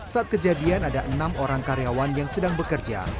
saat kejadian ada enam orang karyawan yang sedang bekerja